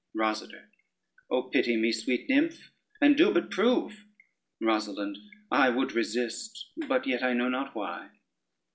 ROSADER O pity me, sweet nymph, and do but prove. ROSALYNDE I would resist, but yet I know not why.